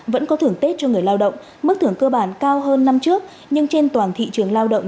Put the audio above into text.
vẫn có thưởng tết cho người lao động mức thưởng cơ bản cao hơn năm trước nhưng trên toàn thị trường lao động